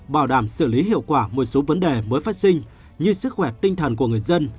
bảo đảm xử lý hiệu quả một số vấn đề mới phát sinh như sức khỏe tinh thần của người dân